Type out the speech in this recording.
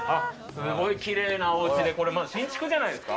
すごいきれいなおうちでこれまだ新築じゃないですか？